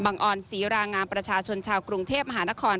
ออนศรีรางามประชาชนชาวกรุงเทพมหานคร